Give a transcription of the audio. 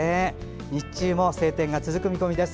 日中も晴天が続く見込みです。